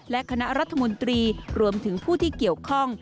และคณะรัฐมนตรีรวมถึงผู้ที่เกี่ยวข้อง